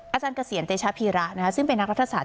อาจารย์เกษียณเตชะพีระซึ่งเป็นนักรัฐศาส